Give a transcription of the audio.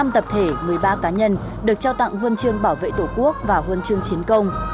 một mươi tập thể một mươi ba cá nhân được trao tặng huân chương bảo vệ tổ quốc và huân chương chiến công